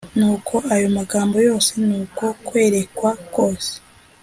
Nuko ayo magambo yose n’uko kwerekwa kose